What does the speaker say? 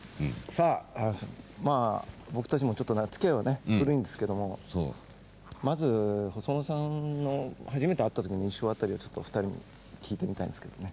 さあまあ僕たちもちょっとつきあいはね古いんですけどもまず細野さんの初めて会った時の印象辺りをちょっと２人に聞いてみたいんですけどね。